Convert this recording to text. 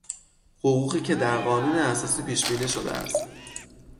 حقوقی که در قانون اساسی پیشبینی شده است